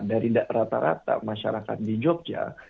dari rata rata masyarakat di jogja